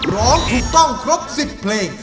ร้องถูกต้องครบ๑๐เพลง